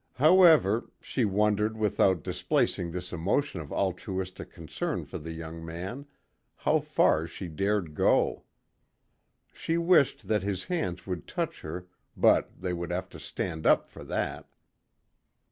However, she wondered without displacing this emotion of altruistic concern for the young man, how far she dared go. She wished that his hands would touch her but they would have to stand up for that.